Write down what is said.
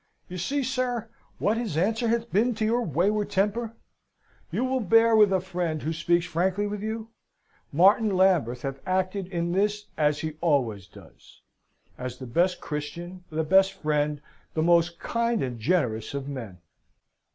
You see, sir, what his answer hath been to your wayward temper. You will bear with a friend who speaks frankly with you? Martin Lambert hath acted in this as he always doth, as the best Christian, the best friend, the most kind and generous of men.